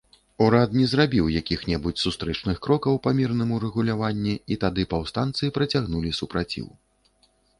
Урад не зрабіў якіх-небудзь сустрэчных крокаў па мірным урэгуляванні, і тады паўстанцы працягнулі супраціў.